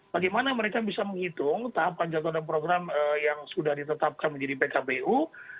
bagaimana mereka bisa menghitung tahapan jadwal dan program yang sudah ditetapkan menjadi pkpu